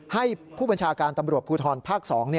ให้ผู้บัญชาการตำรวจภูทรภาค๒